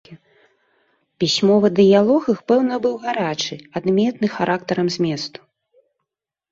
Пісьмовы дыялог іх, пэўна, быў гарачы, адметны характарам зместу.